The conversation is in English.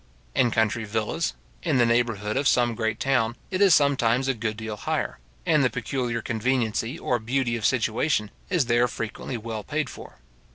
In country villas, in the neighbourhood of some great town, it is sometimes a good deal higher; and the peculiar conveniency or beauty of situation is there frequently very well paid for.